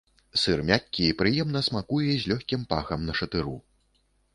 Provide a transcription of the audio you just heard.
Сыр мяккі і прыемна смакуе з лёгкім пахам нашатыру.